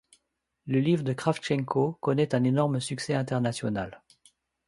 Le livre de Kravchenko connaît un énorme succès international.